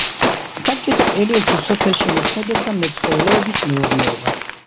საბჭოთა პერიოდში სოფელში მოქმედებდა მეცხოველეობის მეურნეობა.